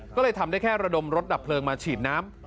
ก็เลยทำได้แค่ระดมรถดับเพลิงมาฉีดน้ำ